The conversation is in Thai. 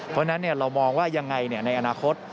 เพราะฉะนั้นเรามองว่ายังไงในอนาคต